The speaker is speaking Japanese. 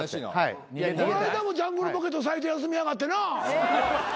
この間もジャングルポケット斉藤休みやがってな。